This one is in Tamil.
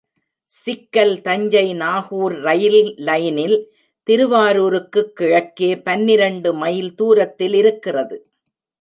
சிக்கல் தஞ்சை நாகூர் ரயில்லைனில் திருவாரூருக்குக் கிழக்கே பன்னிரெண்டு மைல் துரத்தில் இருக்கிறது.